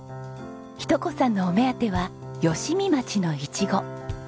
日登子さんのお目当ては吉見町のイチゴ。